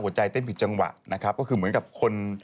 ใจเต้นผิดจังหวะนะครับก็คือเหมือนกับคน